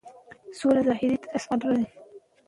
د سولې لپاره حاضري د افغانستان خیر دی.